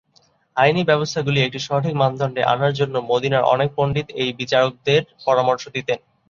আইনি ব্যবস্থাগুলি একটি সঠিক মানদণ্ডে আনার জন্য মদিনার অনেক পণ্ডিত এই বিচারকদের পরামর্শ দিতেন।